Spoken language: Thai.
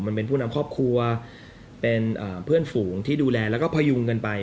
มันเป็นผู้นำครอบครัวเป็นเพื่อนฝูงที่ดูแลแล้วก็พยุงกันไป